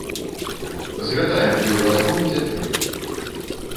Згадаем тую размову цяпер.